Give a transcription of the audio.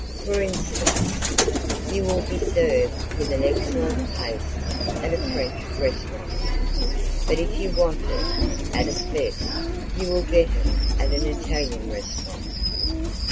For instance, you will be served with an excellent paste at a French restaurant, but if you want it at its best you will get it at an Italian restaurant.